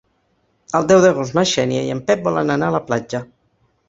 El deu d'agost na Xènia i en Pep volen anar a la platja.